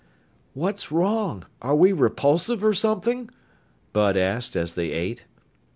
"What's wrong? Are we repulsive or something?" Bud asked as they ate.